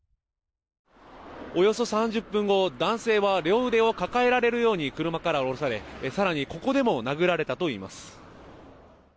およそ３０分後、男性は両腕を抱えられるように車から降ろされ、更にここでも殴られたといいます。